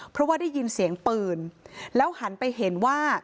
เพราะว่าได้ยินเสียงปืนแล้วหันไปเห็นว่า